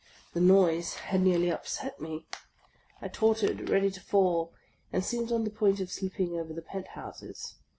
The noise had nearly upset me. I tottered, ready to fall, and seemed on the point of slipping over the pent houses.